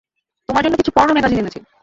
তোমার জন্য কিছু পর্নো ম্যাগাজিন এনেছি।